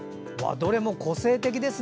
どれも個性的ですね。